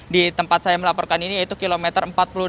di tempat saya melaporkan ini yaitu kilometer empat puluh delapan